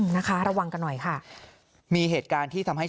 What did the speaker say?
นะคะระวังกันหน่อยค่ะ